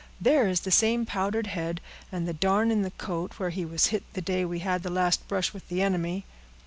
There is the same powdered head, and the darn in the coat, where he was hit the day we had the last brush with the enemy."